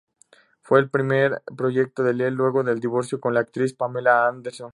Fue el primer proyecto de Lee luego del divorcio con la actriz Pamela Anderson.